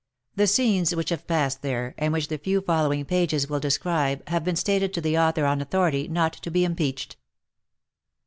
The scenes which have passed there, and which the few following pages will describe, have been stated to the author on authority not to be impeached.